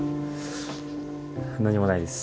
何もないです。